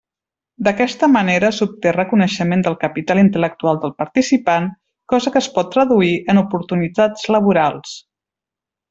D'aquesta manera s'obté reconeixement del capital intel·lectual del participant, cosa que es pot traduir en oportunitats laborals.